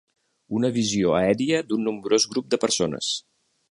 Una visió aèria d'un nombrós grup de persones